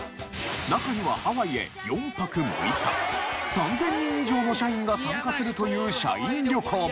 中にはハワイへ４泊６日３０００人以上の社員が参加するという社員旅行も。